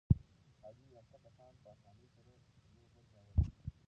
تعلیم یافته کسان په اسانۍ سره پر یو بل باور کوي.